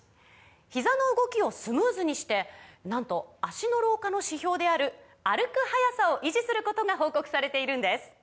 ひざの動きをスムーズにしてなんと脚の老化の指標である歩く速さを維持することが報告されているんです